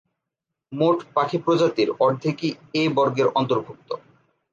মোট পাখি প্রজাতির অর্ধেকই এ বর্গের অন্তর্ভুক্ত।